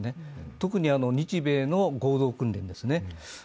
特に日米の合同訓練ですね。